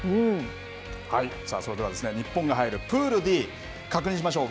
それでは、日本が入るプールＤ確認しましょう。